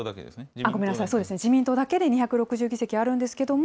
そうですね、自民党だけで２６０議席あるんですけれども。